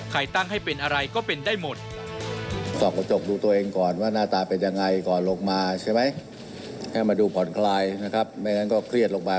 ไฟนะครับไม่งั้นก็เครียดลงไป